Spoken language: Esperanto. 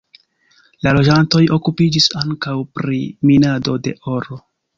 La loĝantoj okupiĝis ankaŭ pri minado de oro.